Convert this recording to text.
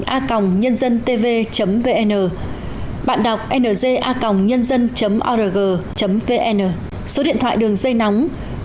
a nh tv vn bạn đọc nga nh org vn số điện thoại đường dây nóng tám trăm tám mươi tám bảy trăm một mươi tám nghìn tám trăm chín mươi chín